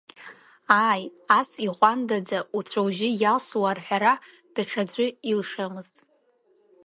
Ааи, ас иҟәандаӡа, уцәа-ужьы иалсуа арҳәара даҽаӡәы илшомызт.